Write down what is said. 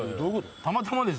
たまたまです